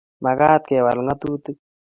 Mekat kewal ng'atutik.